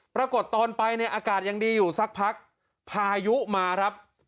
ปรากฏตอนไปเนี่ยอากาศยังดีอยู่สักพักพายุมาครับ